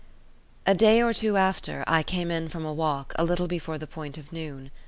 A day or two after I came in from a walk a little before the point of noon.